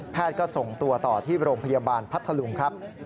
ก็ส่งตัวต่อที่โรงพยาบาลพัทธลุงครับ